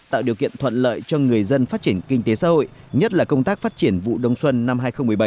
tạo điều kiện thuận lợi cho người dân phát triển kinh tế xã hội nhất là công tác phát triển vụ đông xuân năm hai nghìn một mươi bảy hai nghìn một mươi tám